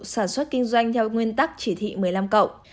sản xuất kinh doanh theo nguyên tắc chỉ thị một mươi năm cộng